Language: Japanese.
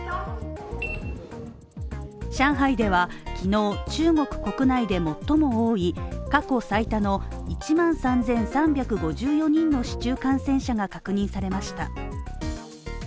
上海では昨日、中国国内で最も多い過去最多の１万３３５４人の市中感染者が確認されました。